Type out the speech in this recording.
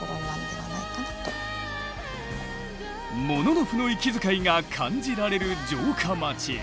武士の息遣いが感じられる城下町。